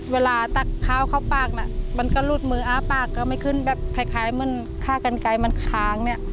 ตักข้าวเข้าปากน่ะมันก็รูดมืออ้าปากก็ไม่ขึ้นแบบคล้ายเหมือนฆ่ากันไกลมันค้างเนี่ย